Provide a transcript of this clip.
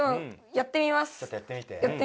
やってみます。